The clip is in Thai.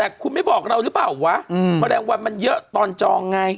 เนี่ยคุณมันบอกเราหรือป่าววะอืมแมรงวันมันเยอะตอนจองไง